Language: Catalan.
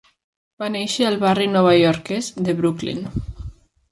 Va néixer al barri novaiorquès de Brooklyn.